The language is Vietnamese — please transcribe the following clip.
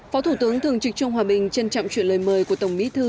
phó thủ tướng thường trực trường hòa bình trân trọng chuyện lời mời của tổng mỹ thư